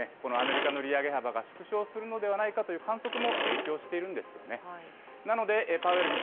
ここの動きに、このアメリカの利上げ幅が縮小するのではないかという観測も影響しているんですよね。